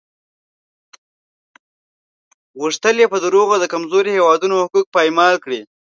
غوښتل یې په دروغو د کمزورو هېوادونو حقوق پایمال کړي.